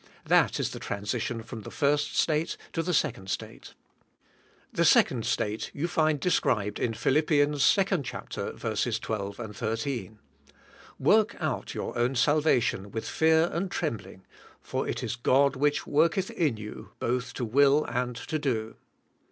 That is the transition from the first state to the second state. This second state you find described in Philippi ans second, verses twelve and thirteen. '*Work out your own salvation with fear and trembling for it is God which worketh in you both to will and to do."